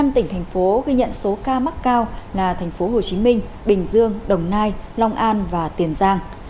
năm tỉnh thành phố ghi nhận số ca mắc cao là thành phố hồ chí minh bình dương đồng nai long an và tiền giang